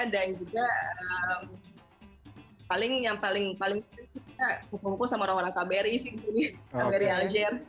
dan juga yang paling penting kita berhubung hubung sama orang orang kbri di sini kbri aljir